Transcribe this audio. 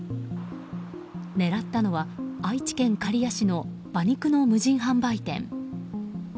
狙ったのは愛知県刈谷市の馬肉の無人販売店。